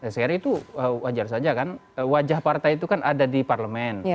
saya kira itu wajar saja kan wajah partai itu kan ada di parlemen